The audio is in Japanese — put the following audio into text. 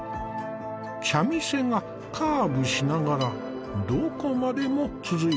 茶店がカーブしながらどこまでも続いている。